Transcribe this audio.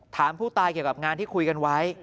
ถามผู้ตายเกี่ยวกับงานที่คุยกันไว้